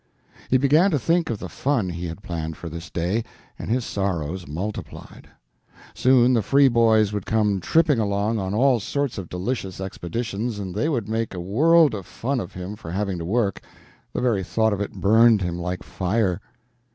He began to think of the fun he had planned for this day, and his sorrows multiplied. Soon the free boys would come tripping along on all sorts of delicious expeditions, and they would make a world of fun of him for having to work the very thought of it burnt him like fire.